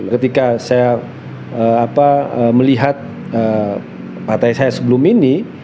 ketika saya melihat partai saya sebelum ini